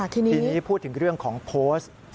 ทีนี้พูดถึงเรื่องของโพสต์